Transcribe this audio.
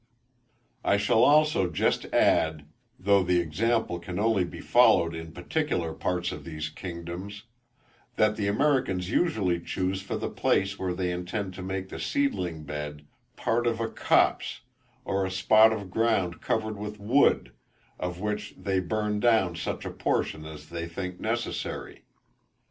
I shall also just add, though the example can only be followed in particular parts of these kingdoms, that the Americans usually chuse for the place where they intend to make the seedling bed, part of a copse, or a spot of ground covered with wood, of which they burn down such a portion as they think necessary.